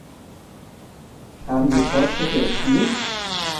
Haben wir Fortschritte erzielt?